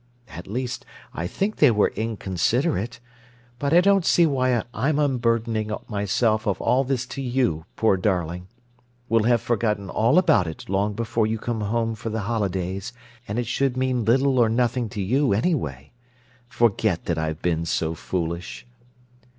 At least, I think they were inconsiderate. But I don't see why I'm unburdening myself of all this to you, poor darling! We'll have forgotten all about it long before you come home for the holidays, and it should mean little or nothing to you, anyway. Forget that I've been so foolish!